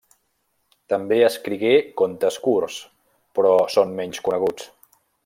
També escrigué contes curts, però són menys coneguts.